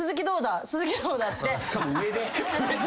しかも上で。